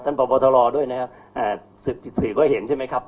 ท่านประวัติธรรมด้วยนะครับ